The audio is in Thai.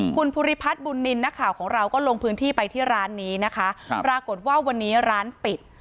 คุณภูริพัฒน์บุญนินทร์นักข่าวของเราก็ลงพื้นที่ไปที่ร้านนี้นะคะครับปรากฏว่าวันนี้ร้านปิด